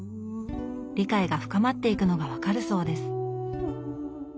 理解が深まっていくのが分かるそうです。